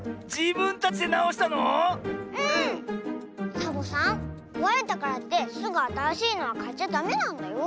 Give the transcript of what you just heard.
サボさんこわれたからってすぐあたらしいのはかっちゃダメなんだよ。